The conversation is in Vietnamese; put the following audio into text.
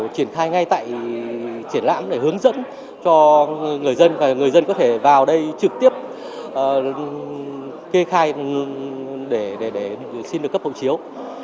cho người dân và người dân có thể vào đây trực tiếp kê khai để xin được cấp hộ chiếu